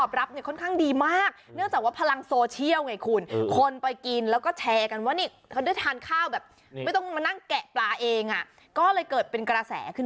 จริงดิจริงคุณ